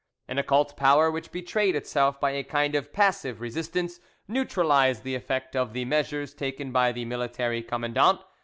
An occult power, which betrayed itself by a kind of passive resistance, neutralised the effect of the measures taken by the military commandant.